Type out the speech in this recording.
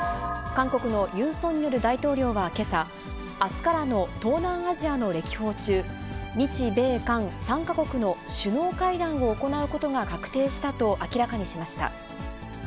韓国のユン・ソンニョル大統領はけさ、あすからの東南アジアの歴訪中、日米韓３か国の首脳会談を行うことが確定したと明らかにしました。